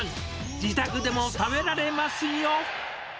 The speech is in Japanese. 自宅でも食べられますよ。